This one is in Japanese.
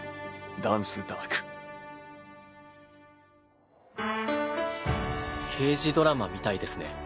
ダンス＝ダーク刑事ドラマみたいですね。